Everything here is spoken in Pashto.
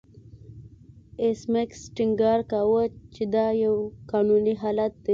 ایس میکس ټینګار کاوه چې دا یو قانوني حالت دی